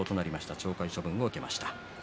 懲戒処分を受けました。